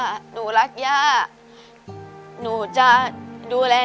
นี้เป็นรายการทั่วไปสามารถรับชมได้ทุกวัย